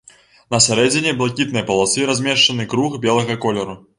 На сярэдзіне блакітнай паласы размешчаны круг белага колеру.